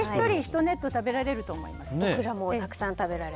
１人１ネット食べられると思います。